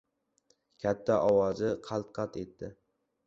Katta ovozi qalt-qalt etdi.